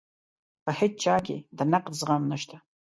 په هیچا کې د نقد زغم نشته.